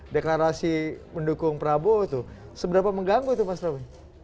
deklarasi mendukung prabowo itu seberapa mengganggu itu mas romy